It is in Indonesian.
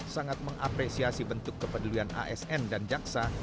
sangat mengapresiasi bentuk kepedulian asn dan jaksa